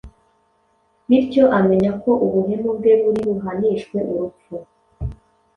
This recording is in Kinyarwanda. bityo amenya ko ubuhemu bwe buri buhanishwe urupfu.